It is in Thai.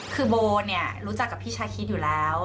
คือโบเนี่ยรู้จักกับพี่ชาคิดอยู่แล้ว